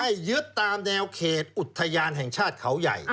ยึดตามแนวเขตอุทยานแห่งชาติเขาใหญ่